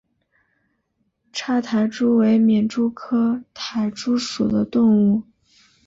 叉苔蛛为皿蛛科苔蛛属的动物。